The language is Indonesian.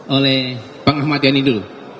oleh bang ahmad yani dulu